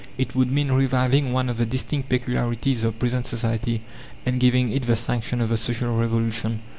It would mean reviving one of the distinct peculiarities of present society and giving it the sanction of the Social Revolution.